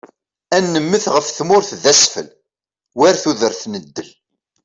Ad nemmet ɣef tmurt d asfel, wal tudert n ddel.